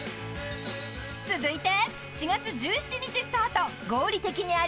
［続いて］